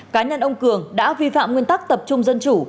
cá nhân ông cường đã vi phạm nguyên tắc tập trung dân chủ